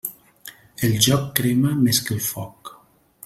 El joc crema més que el foc.